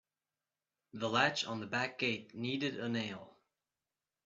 The latch on the back gate needed a nail.